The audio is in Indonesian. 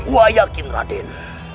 wah yakin raden